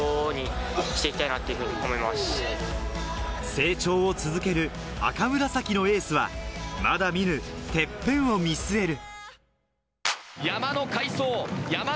成長を続ける赤紫のエースは、まだ見ぬてっぺんを見据える。